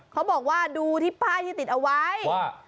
เขาบอกว่าดูที่ป้ายที่ติดเอาไว้